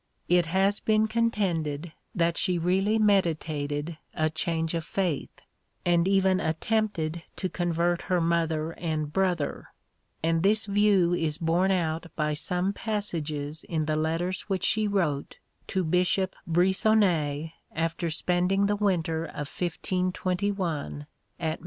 It has been contended that she really meditated a change of faith, and even attempted to convert her mother and brother; and this view is borne out by some passages in the letters which she wrote to Bishop Briçonnet after spending the winter of 1521 at Meaux.